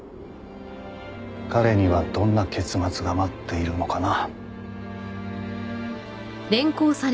“彼”にはどんな結末が待っているのかな。